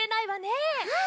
うん。